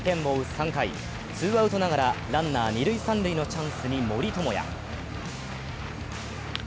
３回、ツーアウトながらランナー、二・三塁のチャンスに森友哉。